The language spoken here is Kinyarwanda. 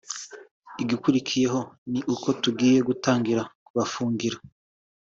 igikurikiyeho ni uko tugiye gutangira kubafungira